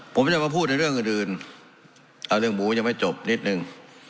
ผมจะมาพูดในเรื่องอื่นเอาเรื่องหมูยังไม่จบนิดนึง